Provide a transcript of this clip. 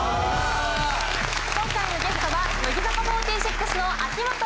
今回のゲストは乃木坂４６の秋元真夏さんです。